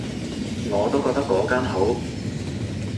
我都覺得嗰間好